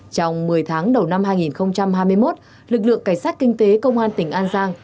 trong một mươi tháng đầu năm hai nghìn hai mươi một lực lượng cảnh sát kinh tế công an tỉnh an giang